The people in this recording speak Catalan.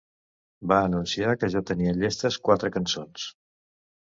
Van anunciar que ja tenien llestes quatre cançons.